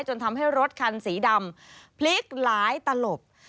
จนทำให้รถคันสีดำพลิกหลายตลบ